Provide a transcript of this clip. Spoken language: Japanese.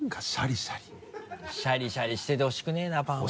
シャリシャリしててほしくないなパンは。